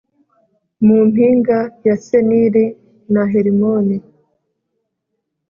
mu mpinga ya Seniri na Herimoni